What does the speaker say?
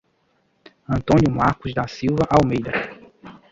Antônio Marcos da Silva Almeida